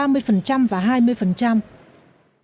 cảm ơn các bạn đã theo dõi và hẹn gặp lại